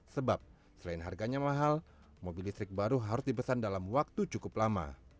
sebab selain harganya mahal mobil listrik baru harus dipesan dalam waktu cukup lama